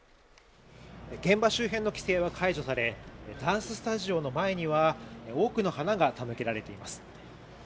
現場周辺の規制は解除されダンススタジオの前には多くの花が手向けられています